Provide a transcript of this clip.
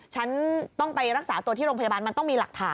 ฉันต้องไปรักษาตัวที่โรงพยาบาลมันต้องมีหลักฐาน